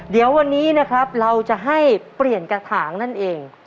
เดี๋ยววันนี้นะครับเราจะให้เปลี่ยนกระถางนั่นเอง